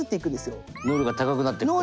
能力が高くなっていくから。